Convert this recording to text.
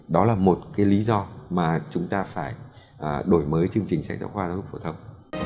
đó là một cái lý do mà chúng ta phải đổi mới chương trình sách giáo khoa giáo dục phổ thông